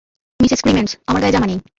Mrs Krimentz, আমার গায়ে জামা নেই।